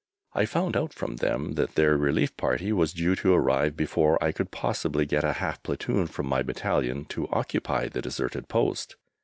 I found out from them that their relief party was due to arrive before I could possibly get a half platoon from my battalion to occupy the deserted post.